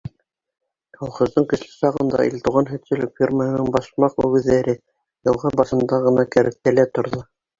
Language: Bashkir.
Колхоздың көслө сағында Илтуған һөтсөлөк фермаһының башмаҡ-үгеҙҙәре йылға башында ғына кәртәлә торҙо.